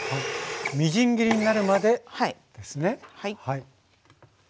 みじん切りになるまでですね。